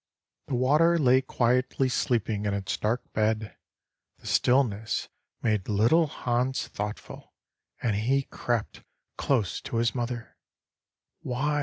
The water lay quietly sleeping in its dark bed. The stillness made little Hans thoughtful, and he crept close to his mother.